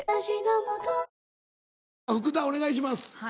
福田お願いします。